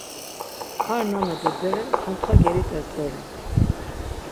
Ar nana do bere sontxa gelit̆es doren.